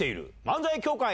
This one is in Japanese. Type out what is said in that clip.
漫才協会